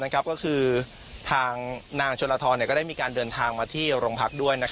ก็คือทางนางชนลทรก็ได้มีการเดินทางมาที่โรงพักด้วย